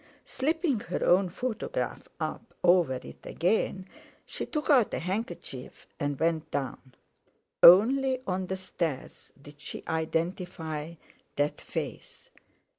Slipping her own photograph up over it again, she took out a handkerchief and went down. Only on the stairs did she identify that face.